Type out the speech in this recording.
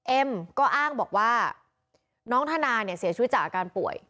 เอ็มก็อ้างบอกว่าน้องธนาเนี่ยเสียชีวิตจากอาการป่วย